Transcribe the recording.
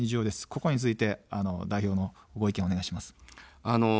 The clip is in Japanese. ここについて代表のご意見をお願いします。